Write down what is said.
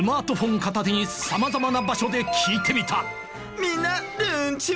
片手にさまざまな場所で聞いてみたみんなるんちは！